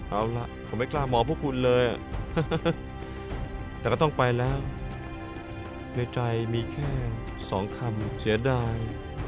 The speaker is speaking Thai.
เอาล่ะผมไม่กล้ามองพวกคุณเลยแต่ก็ต้องไปแล้วในใจมีแค่สองคำเสียดาย